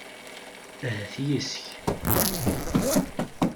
Ahat yes-k.